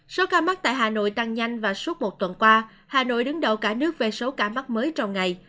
số ca mắc tại hà nội tăng nhanh và suốt một tuần qua hà nội đứng đầu cả nước về số ca mắc mới trong ngày